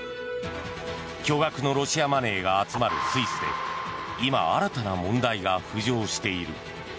巨額のロシアマネーが集まるスイスで今、新たな問題が浮上している。